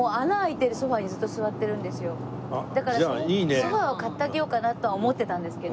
ソファを買ってあげようかなとは思ってたんですけど。